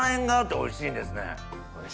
おいしいですね。